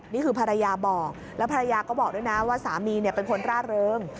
นี่คือภรรยาบอกแล้วภรรยาก็บอกด้วยนะว่าสามีเป็นคนร่าเริง